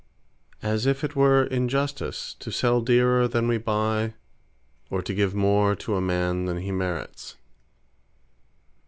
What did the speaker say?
As if it were Injustice to sell dearer than we buy; or to give more to a man than he merits.